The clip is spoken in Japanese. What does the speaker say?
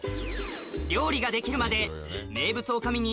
料理ができるまで女将が。